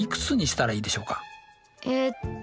えっと